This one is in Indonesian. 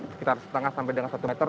sekitar setengah sampai dengan satu meter